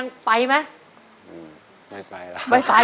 สวัสดีครับ